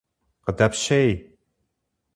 Къыдэпщей!